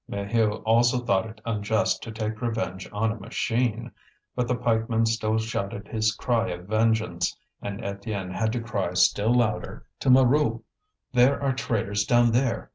Maheu also thought it unjust to take revenge on a machine. But the pikeman still shouted his cry of vengeance, and Étienne had to cry still louder: "To Mirou! There are traitors down there!